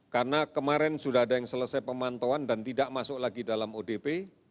karena kemarin sudah ada yang selesai pemantauan dan tidak masuk lagi dalam odp